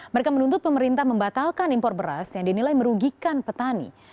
mereka menuntut pemerintah membatalkan impor beras yang dinilai merugikan petani